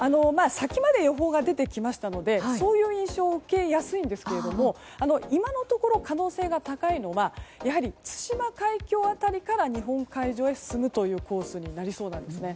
先まで予報が出てきましたのでそういう印象を受けやすいんですが今のところ、可能性が高いのはやはり、対馬海峡辺りから日本海上へ進むというコースになりそうなんですね。